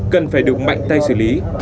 cần phải đụng mạnh tay xử lý